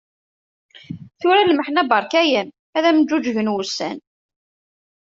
Tura lmeḥna barka-am, ad am-ğuğgen wussan.